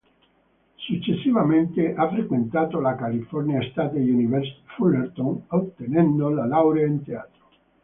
Successivamente ha frequentato la California State University Fullerton ottenendo la laurea in teatro.